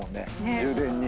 充電に。